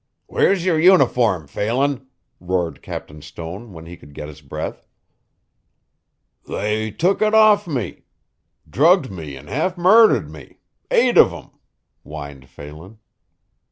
"Where's your uniform, Phelan?" roared Captain Stone when he could get his breath. "They took it off me drugged me an' half murthered me eight of 'em," whined Phelan.